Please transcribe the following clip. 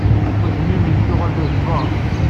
Udem-im yettuɣal d azeggaɣ.